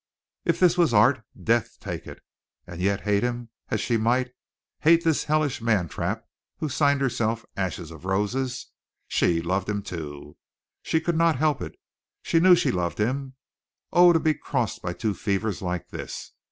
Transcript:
If this was art, death take it! And yet hate him as she might hate this hellish man trap who signed herself "Ashes of Roses" she loved him, too. She could not help it. She knew she loved him. Oh, to be crossed by two fevers like this!